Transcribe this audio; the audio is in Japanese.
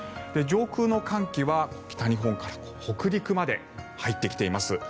上空の寒気は北日本から北陸まで入ってきています。